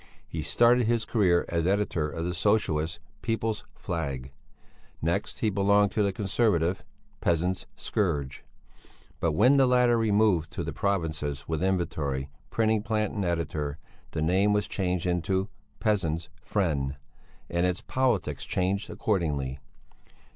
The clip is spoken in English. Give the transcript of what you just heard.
He started his career as editor of the Socialist People's Flag. Next he belonged to the Conservative Peasants' Scourge, but when the latter removed to the provinces with inventory, printing plant and editor, the name was changed into Peasants' Friend, and its politics changed accordingly.